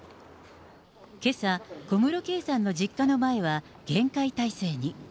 けさ、小室圭さんの実家の前は厳戒態勢に。